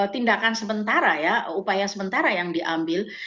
tindakan sementara ya upaya sementara yang diambil